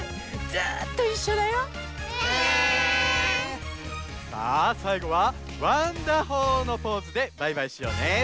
ずっといっしょだよ。ねえ！さあさいごは「ワンダホー！」のポーズでバイバイしようね！